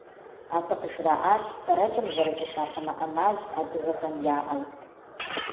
Абы къыжраӏащ фэрэкӏым зэрызыщахъумэ ӏэмал адыгэхэм яӏэу.